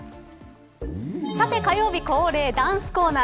さて火曜日恒例ダンスコーナー。